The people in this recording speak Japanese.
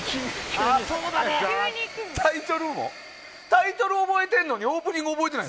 タイトル覚えてるのにオープニング覚えてない？